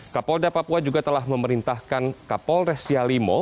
kapolda papua juga telah memerintahkan kapolres yalimo